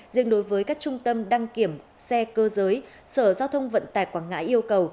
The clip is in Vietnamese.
riêng đối với các trung tâm đăng kiểm xe cơ giới sở giao thông vận tải quảng ngãi yêu cầu